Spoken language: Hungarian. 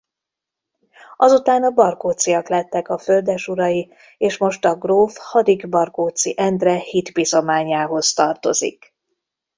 Azután a Barkóczyak lettek a földesurai és most a gróf Hadik-Barkóczy Endre hitbizományához tartozik.